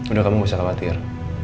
udah kamu gak usah khawatir